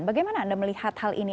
bagaimana anda melihat hal ini